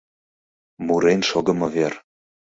Мурен шогымо вер...